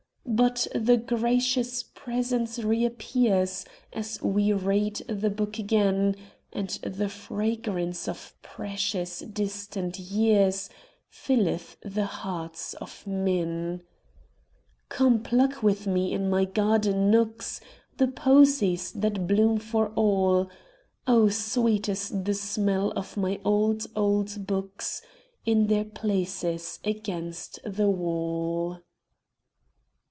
But the gracious presence reappears As we read the book again, And the fragrance of precious, distant years Filleth the hearts of men Come, pluck with me in my garden nooks The posies that bloom for all; Oh, sweet is the smell of my old, old books In their places against the wall!